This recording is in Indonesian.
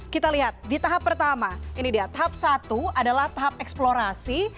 kita lihat di tahap pertama ini dia tahap satu adalah tahap eksplorasi